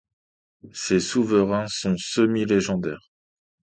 Ces souverains sont semi-légendaires.